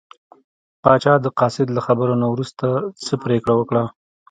پاچا د قاصد له خبرو نه وروسته څه پرېکړه وکړه.